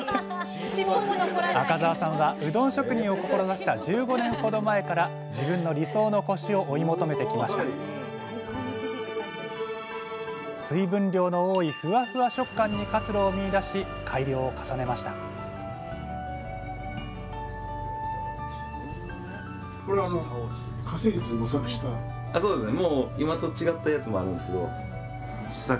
赤澤さんはうどん職人を志した１５年ほど前から自分の理想のコシを追い求めてきました水分量の多いフワフワ食感に活路を見いだし改良を重ねましたあそうですね。